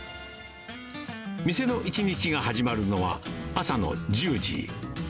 店の一日が始まるのは朝の１０時。